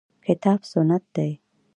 کتاب سنت دي.